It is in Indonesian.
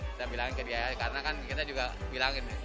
kita bilang ke dia karena kan kita juga bilangin